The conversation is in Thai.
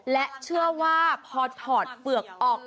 และเชื่อว่าพอถอดเปลือกออก